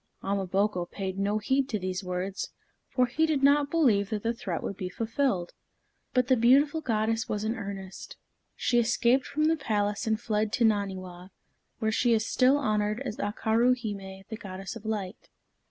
Ama boko paid no heed to these words, for he did not believe that the threat would be fulfilled. But the beautiful goddess was in earnest. She escaped from the palace and fled to Naniwa, where she is still honored as Akaru hime, the Goddess of Light.